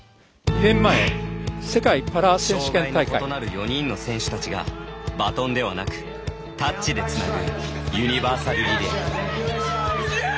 障がいの異なる４人の選手たちがバトンではなくタッチでつなぐユニバーサルリレー。